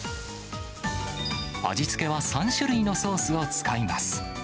味付けは３種類のソースを使います。